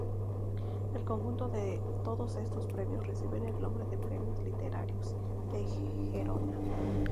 El conjunto de todos estos premios reciben el nombre de Premios Literarios de Gerona.